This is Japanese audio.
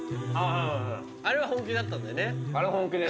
あれは本気だったんだよね？